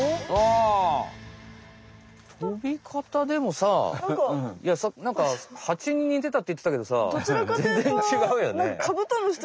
飛びかたでもさなんかハチに似てたっていってたけどさ全然違うよね。